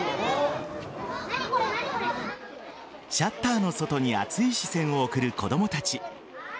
シャッターの外に熱い視線を送る子供たち。